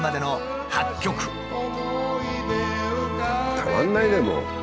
たまんないねもう。